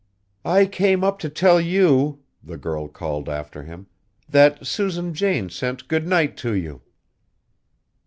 "I came up to tell you," the girl called after him, "that Susan Jane sent good night to you."